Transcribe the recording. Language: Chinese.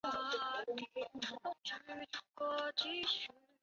浓烈的苗族风情令人陶醉。